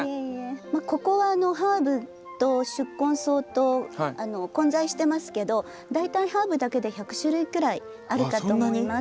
ここはハーブと宿根草と混在してますけど大体ハーブだけで１００種類くらいあるかと思います。